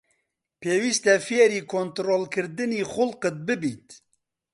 پێویستە فێری کۆنتڕۆڵکردنی خوڵقت ببیت.